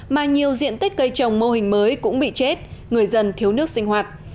mà nhiều diện tích cây trồng mô hình mới cũng bị chết người dân thiếu nước sinh hoạt